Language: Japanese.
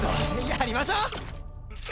やりましょう！